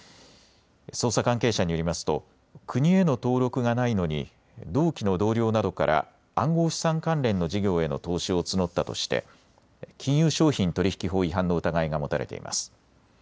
捜査関係者によりますと国への登録がないのに同期の同僚などから暗号資産関連の事業への投資を募ったとして金融商品取引法違反の疑いが持たれています。